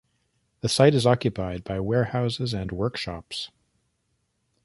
The site is occupied by warehouses and workshops.